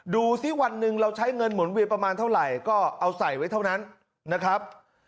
ดูสิวันหนึ่งเราใช้เงินหมุนเวียนประมาณเท่าไหร่ก็เอาใส่ไว้เท่านั้นนะครับ